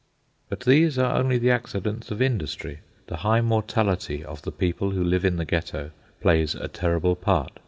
But these are only the accidents of industry. The high mortality of the people who live in the Ghetto plays a terrible part.